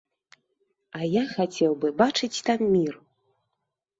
А я хацеў бы бачыць там мір.